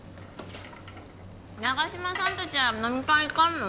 長嶋さん達は飲み会行かんの？